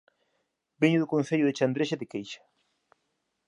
Veño do Concello de Chandrexa de Queixa